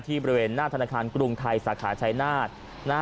บริเวณหน้าธนาคารกรุงไทยสาขาชายนาฏ